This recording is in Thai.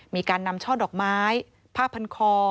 มีการนำช่อดอกไม้ผ้าพันคอ